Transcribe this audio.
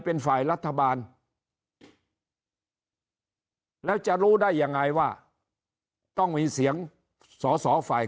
เป็นฝ่ายรัฐบาลแล้วจะรู้ได้ยังไงว่าต้องมีเสียงสอสอฝ่าย